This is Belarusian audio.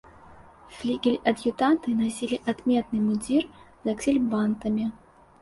Флігель-ад'ютанты насілі адметны мундзір з аксельбантамі.